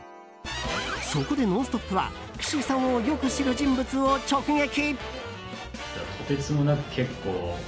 そこで、「ノンストップ！」は岸井さんをよく知る人物を直撃。